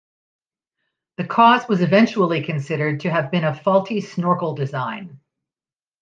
The cause was eventually considered to have been a faulty snorkel design.